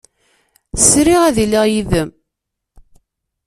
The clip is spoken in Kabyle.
Sriɣ ad iliɣ yid-m.